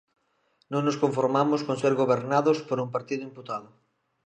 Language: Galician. Non nos conformamos con ser gobernados por un partido imputado.